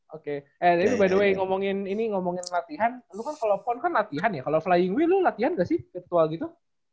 oke eh tadi by the way ngomongin ini ngomongin latihan lo kan kalau pon kan latihan ya kalau flying way lu latihan gak sih virtual gitu